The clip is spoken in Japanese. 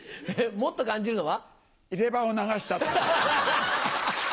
もっと感じるのは？